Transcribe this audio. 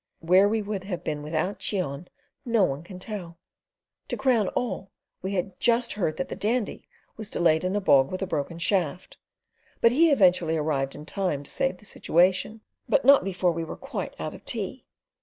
Where we would have been without Cheon no one can tell. To crown all, we had just heard that the Dandy was delayed in a bog with a broken shaft, but he eventually arrived in time to save the situation, but not before we were quite out of tea.